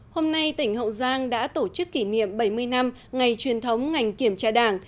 hôm nay tỉnh hậu giang đã tổ chức kỷ niệm bảy mươi năm ngày truyền thống ngành kiểm tra đảng